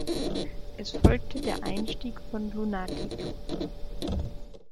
Es folgte der Einstieg von Lunatic.